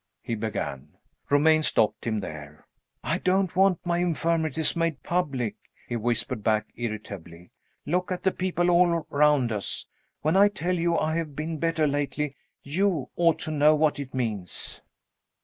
he began. Romayne stopped him there. "I don't want my infirmities made public," he whispered back irritably. "Look at the people all round us! When I tell you I have been better lately, you ought to know what it means."